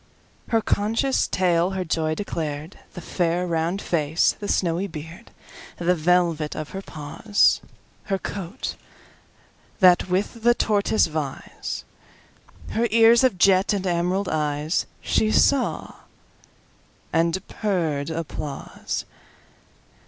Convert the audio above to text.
Her conscious tail her joy declared:The fair round face, the snowy beard, The velvet of her paws, Her coat that with the tortoise vies, Her ears of jet, and emerald eyes—She saw, and purr'd applause.